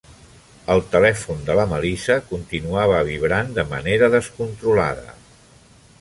El telèfon de la Melissa continuava vibrant de manera descontrolada.